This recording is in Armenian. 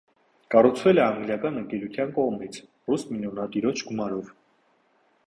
Կառուցվել է անգլիական ընկերության կողմից, ռուս միլիոնատիրոջ գումարով։